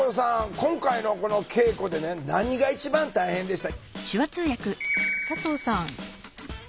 今回のこの稽古でね何が一番大変でした？